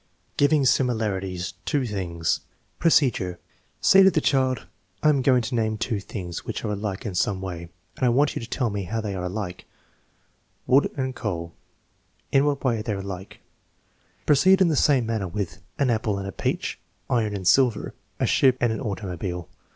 Giving similarities ; two things Procedure. Say to the child: "I am going to name two things which are alike in some way, and I want you to tell me how they are alike. Wood and coal: in what way are they alike ?" Proceed in the same manner with: 218 THE MEASUREMENT OF INTELLIGENCE An apple and a peach. Iron and silver. A ship and an automobile.